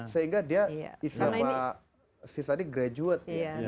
sehingga dia isi pak sis tadi graduate